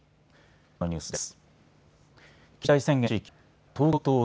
正午のニュースです。